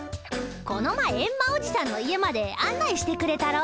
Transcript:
この前エンマおじさんの家まで案内してくれたろ？